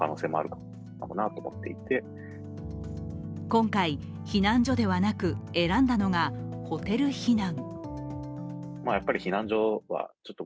今回、避難所ではなく、選んだのがホテル避難。